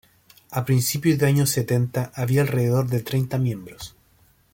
A principios de años setenta, había alrededor de treinta miembros.